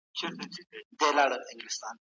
ایا لوی صادروونکي وچ توت اخلي؟